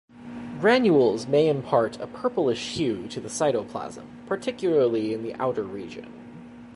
Granules may impart a purplish hue to the cytoplasm, particularly to the outer region.